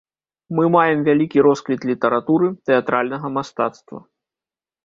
Мы маем вялікі росквіт літаратуры, тэатральнага мастацтва.